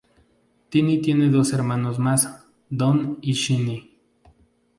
Tiny tiene dos hermanos más: Don y Shiny.